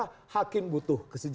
atau huruf d